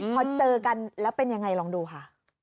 พอเจอกันแล้วเป็นยังไงลองดูค่ะ